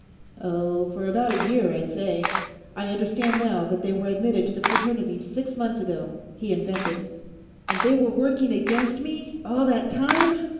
"Oh, for about a year, I'd say. I understand, now, that they were admitted to the Fraternities six months ago," he invented. "And they were working against me, all that time?"